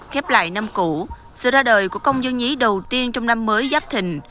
khép lại năm cũ sự ra đời của công dân nhí đầu tiên trong năm mới giáp thình